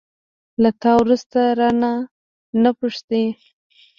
له تا وروسته، رانه، نه پوښتي